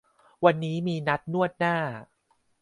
วันนี้มีนัดนวดหน้า